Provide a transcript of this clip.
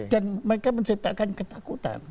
dan mereka menciptakan ketakutan